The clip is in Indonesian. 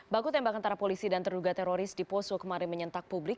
baku tembak antara polisi dan terduga teroris di poso kemarin menyentak publik